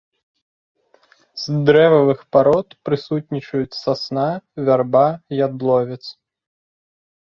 З дрэвавых парод прысутнічаюць сасна, вярба, ядловец.